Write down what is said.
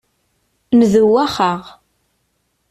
Ndewwaxeɣ.